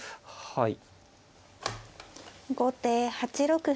はい。